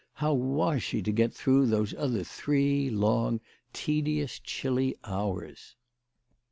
How was she to get through those other three long, tedious, chilly hours